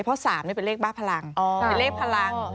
เพราะ๓นี่เป็นเลขบ้าพลังเป็นเลขพลัง